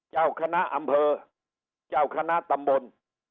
เจ้าคณะอำเภอเจ้าคณะตำบล